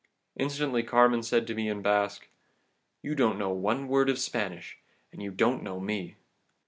Instantly Carmen said to me in Basque, 'You don't know one word of Spanish, and you don't know me.